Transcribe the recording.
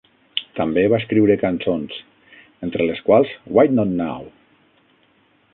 També va escriure cançons, entre les quals "Why Not Now?".